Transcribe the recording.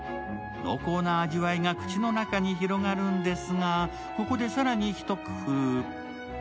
濃厚な味わいが口の中に広がるんですが、ここで更にひと工夫。